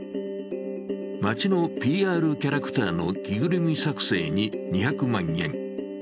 町のＰＲキャラクターの着ぐるみ作製に２００万円。